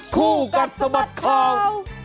คู่กันสมัครข้าว